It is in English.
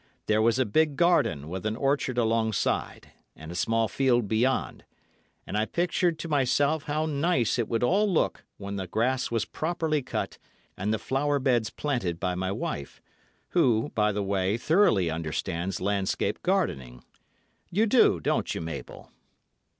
There was a big garden with an orchard alongside, and a small field beyond; and I pictured to myself how nice it would all look when the grass was properly cut and the flower beds planted by my wife, who, by the way, thoroughly understands landscape gardening. You do, don't you, Mabel?"